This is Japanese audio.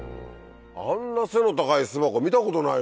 あんな背の高い巣箱見たことないわ！